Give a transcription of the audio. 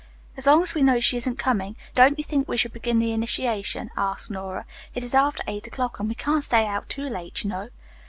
"As long as we know she isn't coming, don't you think we should begin the initiation?" asked Nora. "It is after eight o'clock and we can't stay out too late, you know."